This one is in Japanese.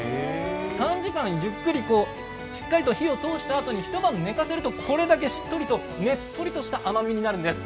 ３時間じっくりしっかりと火を通したあとに一晩寝かせるとこれだけしっとりと、ねっとりした甘みになるんです。